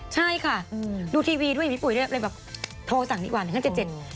ใช่ค่ะดูทีวีด้วยพี่ปุ๋ยด้วยเลยแบบโทรสั่งดีกว่าเป็นขั้นเจ็ด